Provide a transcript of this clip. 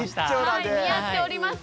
似合っております。